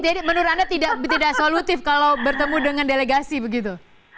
jadi menurut anda tidak solutif kalau bertemu dengan delegasi begitu